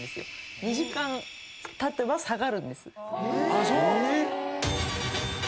２時間たてば下がるんです。